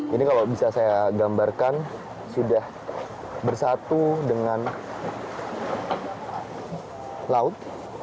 ini kalau bisa saya gambarkan sudah bersatu dengan laut